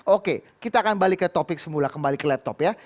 oke kita akan balik ke topik semula kembali ke laptop ya